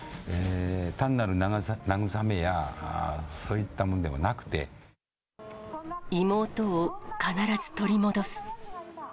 単なる慰めや、そういったもので妹を必ず取り戻す。